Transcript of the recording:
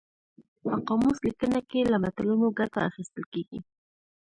په قاموس لیکنه کې له متلونو ګټه اخیستل کیږي